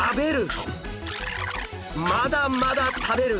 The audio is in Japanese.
まだまだ食べる！